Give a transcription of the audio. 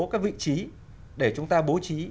các vị trí để chúng ta bố trí